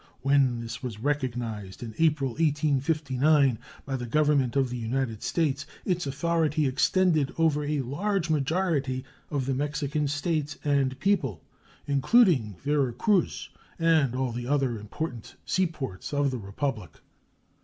When this was recognized, in April, 1859, by the Government of the United States, its authority extended over a large majority of the Mexican States and people, including Vera Cruz and all the other important seaports of the Republic.